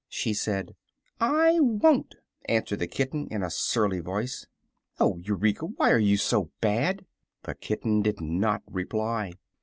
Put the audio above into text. she said. "I won't," answered the kitten, in a surly voice. "Oh, Eureka! Why are you so bad?" The kitten did not reply.